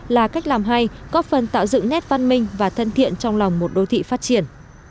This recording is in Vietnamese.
là cách làm hay có phần tạo dựng nét văn minh và thân thiện trong lòng một đô thị phát triển